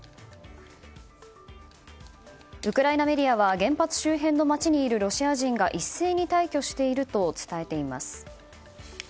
ウクライナメディアは原発周辺の街にいるロシア人が一斉に退去していると伝えています。